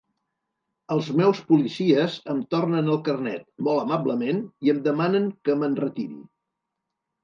Els meus policies em tornen el carnet, molt amablement, i em demanen que m'enretiri.